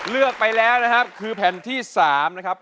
เลือกไปแล้วนะครับคือแผ่นที่๓นะครับ